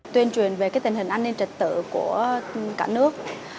tuyên truyền về cái tình hình an ninh trật tự của cả nước